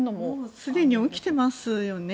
すでに起きていますよね。